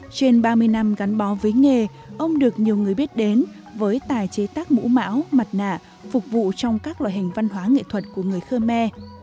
trên ba mươi năm gắn bó với nghề ông được nhiều người biết đến với tài chế tác mũ mão mặt nạ phục vụ trong các loại hình văn hóa nghệ thuật của người khơ me